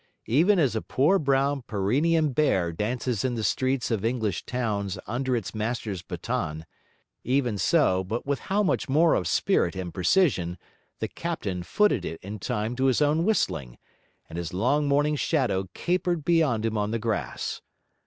Even as a poor brown Pyrenean bear dances in the streets of English towns under his master's baton; even so, but with how much more of spirit and precision, the captain footed it in time to his own whistling, and his long morning shadow capered beyond him on the grass.